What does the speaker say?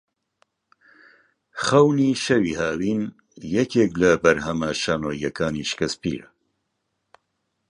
خەونی شەوی هاوین یەکێک لە بەرهەمە شانۆییەکانی شکسپیرە